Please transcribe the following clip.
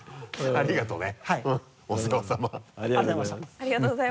ありがとね。